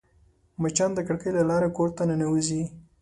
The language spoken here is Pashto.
مچان د کړکۍ له لارې کور ته ننوزي